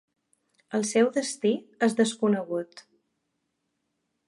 El seu destí és desconegut.